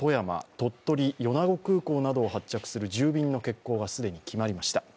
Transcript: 鳥取、米子空港などを発着する１０便の欠航が既に決まりました。